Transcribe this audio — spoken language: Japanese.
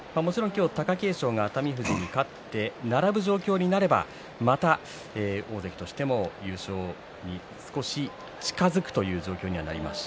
貴景勝が熱海富士に勝って並ぶ状況になるとまた大関としても優勝に少し近づくという状況にはなります。